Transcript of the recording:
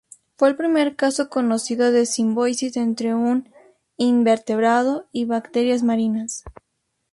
Fue el primer caso conocido de simbiosis entre un invertebrado y bacterias marinas.